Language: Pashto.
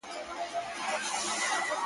پر جلا لارو مزلونه یې وهلي -